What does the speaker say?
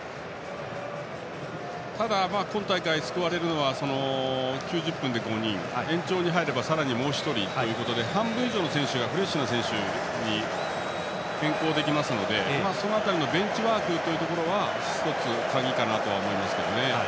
ただ今大会、救われるのは９０分で５人、延長に入ればさらに、もう１人ということで半分以上の選手がフレッシュな選手に変更できますのでその辺りのベンチワークが鍵かなと思います。